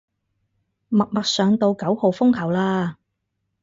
默默上到九號風球嘞